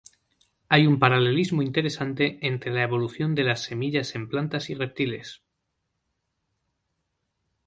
Hay un paralelismo interesante entre la evolución de las semillas en plantas y reptiles.